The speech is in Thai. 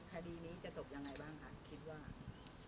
คดีนี้จะจบอย่างไรบ้างค่ะ